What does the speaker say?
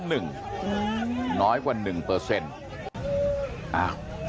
น้อยกว่า๑